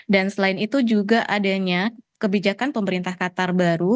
dan selain itu juga adanya kebijakan pemerintah qatar baru